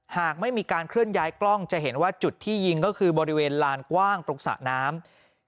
หากไม่มีการเคลื่อนย้ายกล้องจะเห็นว่าจุดที่ยิงก็คือบริเวณลานกว้างตรงสระน้ำ